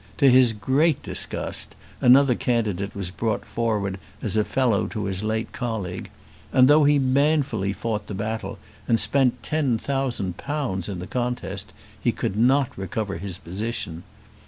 To his great disgust another candidate was brought forward as a fellow to his late colleague, and though he manfully fought the battle, and spent ten thousand pounds in the contest, he could not recover his position.